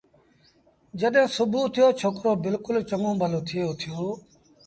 جڏهيݩ سُڀو ٿيو ڇوڪرو بلڪُل چڱوُن ڀلو ٿئي اُٿيو